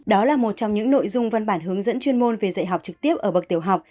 đó là một trong những nội dung văn bản hướng dẫn chuyên môn về dạy học trực tiếp ở bậc tiểu học